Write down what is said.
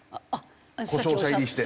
故障者入りして。